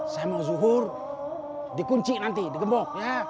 saya mau zuhur dikunci nanti digembok